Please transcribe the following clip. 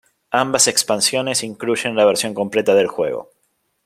Ambas expansiones incluyen la versión completa del juego.